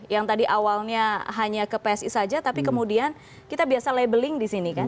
yang tadi awalnya hanya ke psi saja tapi kemudian kita biasa labeling di sini kan